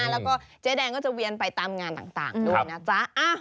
แล้วก็เจ๊แดงก็จะเวียนไปตามงานต่างด้วยนะจ๊ะ